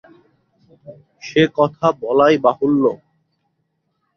সে কথা বলাই বাহুল্য।